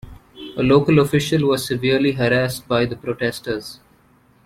A local official was severely harassed by the protesters.